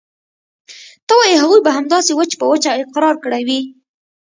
ته وايې هغوى به همداسې وچ په وچه اقرار کړى وي.